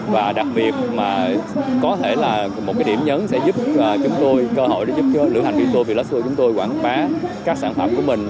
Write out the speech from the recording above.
và đặc biệt mà có thể là một cái điểm nhấn sẽ giúp cho lữ hành phi đi tour việt bức tour chúng tôi quảng bá các sản phẩm của mình